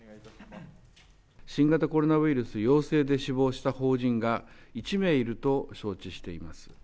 新型コロナウイルス陽性で死亡した邦人が、１名いると承知しています。